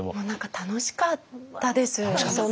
何か楽しかったです。